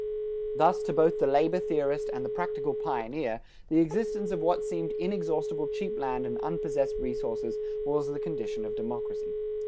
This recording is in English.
Thus to both the labor theorist and the practical pioneer, the existence of what seemed inexhaustible cheap land and unpossessed resources was the condition of democracy.